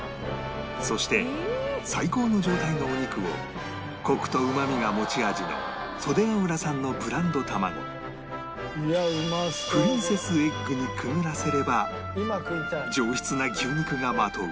そして最高の状態のお肉をコクとうまみが持ち味の袖ケ浦産のブランド卵ぷりんセス・エッグにくぐらせれば上質な牛肉がまとう